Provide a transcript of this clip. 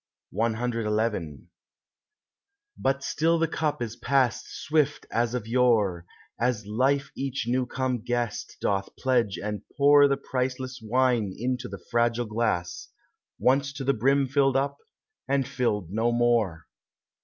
CXI But still the cup is passed swift as of yore, As life each new come guest doth pledge and pour The priceless wine into the fragile glass, Once to the brim filled up, and filled no more.